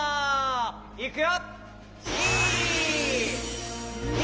いくよ。